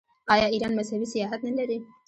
آیا ایران مذهبي سیاحت نلري؟